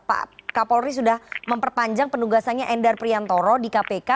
pak kapolri sudah memperpanjang penugasannya endar priantoro di kpk